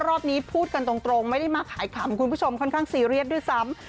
รอบนี้พูดกันตรงไม่ได้มาขายขำคุณผู้ชมค่อนข้างซีเรียสด้วยซ้ำ